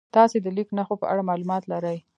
تاسې د لیک نښو په اړه معلومات لرئ؟